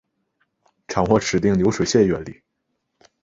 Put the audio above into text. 掌握指令流水线原理